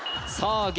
さあ